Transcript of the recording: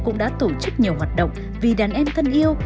cũng đã tổ chức nhiều hoạt động vì đàn em thân yêu